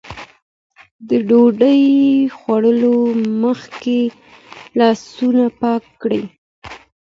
د ډوډۍ خوړلو مخکې لاسونه پاک کړئ.